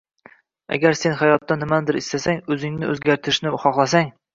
Agar sen hayotdan nimanidir istasang, o‘zingni o‘zgartirishni xohlasang